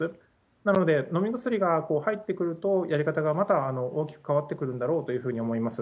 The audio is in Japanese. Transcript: なので、飲み薬が入ってくると、やり方がまた大きく変わってくるんだろうというふうに思います。